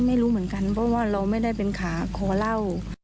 ไม่รู้เหมือนกันเพราะว่าเราไม่ได้เป็นขาคอเหล้า